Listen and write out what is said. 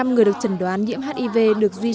chín mươi người được chẩn đoán nhiễm hiv được duy trì